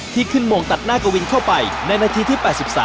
ที่ขึ้นโมงตัดหน้ากวินเข้าไปในนาทีที่๘๓